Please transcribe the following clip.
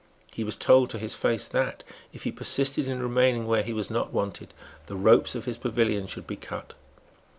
He was told to his face that, if he persisted in remaining where he was not wanted, the ropes of his pavilion should be cut.